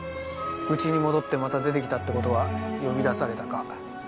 うちに戻ってまた出てきたって事は呼び出されたか。